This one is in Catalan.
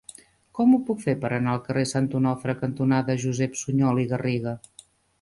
Com ho puc fer per anar al carrer Sant Onofre cantonada Josep Sunyol i Garriga?